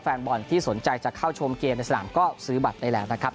แฟนบอลที่สนใจจะเข้าชมเกมในสนามก็ซื้อบัตรได้แล้วนะครับ